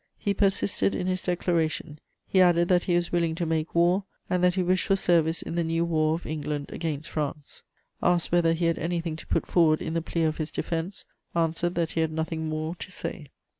He persisted in his declaration: he added that he was willing to make war, and that he wished for service in the new war of England against France. "Asked whether he had anything to put forward in the plea of his defense; answered that he had nothing more to say.